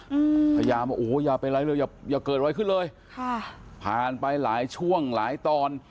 อืมพยายามว่าโอ้โหอย่าไปไรเลยอย่าอย่าเกิดอะไรขึ้นเลยค่ะผ่านไปหลายช่วงหลายตอน